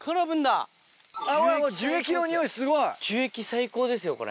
樹液最高ですよこれ。